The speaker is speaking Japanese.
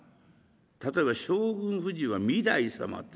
例えば将軍夫人は御台様という。